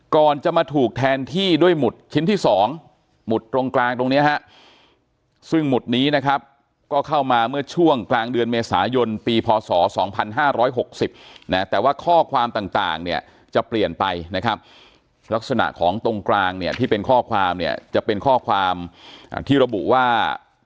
ก่อนจะมาถูกแทนที่ด้วยหมุดชิ้นที่๒หมุดตรงกลางตรงนี้ฮะซึ่งหมุดนี้นะครับก็เข้ามาเมื่อช่วงกลางเดือนเมษายนปีพศ๒๕๖๐นะแต่ว่าข้อความต่างเนี่ยจะเปลี่ยนไปนะครับลักษณะของตรงกลางเนี่ยที่เป็นข้อความเนี่ยจะเป็นข้อความที่ระบุว่า